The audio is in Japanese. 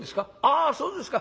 あそうですか。